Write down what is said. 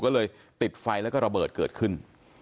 ก็เลยติดไฟแล้วก็ระเบิดเกิดขึ้น